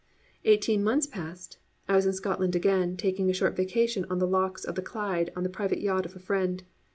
Eighteen months passed; I was in Scotland again, taking a short vacation on the lochs of the Clyde on the private yacht of a friend.